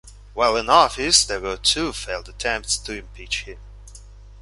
While in office, there were two failed attempts to impeach him.